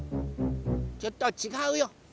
ちょっとちがうよ。